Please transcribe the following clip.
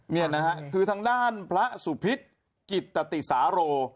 นี่นะฮะคือทางด้านพระสุพิษกิตติสาโร